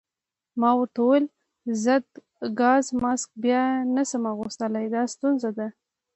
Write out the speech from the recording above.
ما ورته وویل: ضد ګاز ماسک بیا نه شم اغوستلای، دا ستونزه ده.